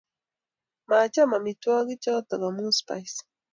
Maacham amitwogik chotok amun spice.